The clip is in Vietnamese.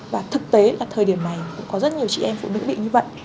và thực tế là thời điểm này cũng có rất nhiều chị em phụ nữ bị như vậy